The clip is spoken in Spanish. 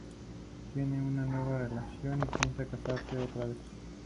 Tiene una nueva relación y piensa casarse otra vez.